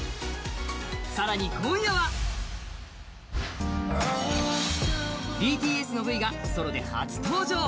更に今夜はＢＴＳのＶがソロで初登場。